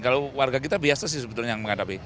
kalau warga kita biasa sih sebetulnya yang menghadapi